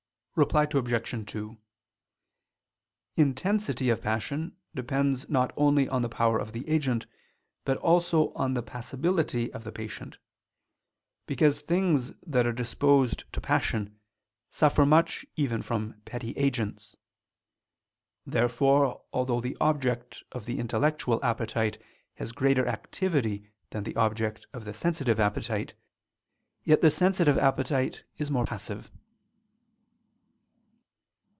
Reply Obj. 2: Intensity of passion depends not only on the power of the agent, but also on the passibility of the patient: because things that are disposed to passion, suffer much even from petty agents. Therefore although the object of the intellectual appetite has greater activity than the object of the sensitive appetite, yet the sensitive appetite is more passive.